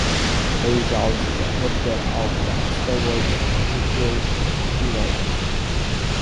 He is also the editor of the "Star Wars" prequel trilogy.